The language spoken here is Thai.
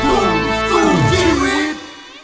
ลูกหนูสู้ชีวิต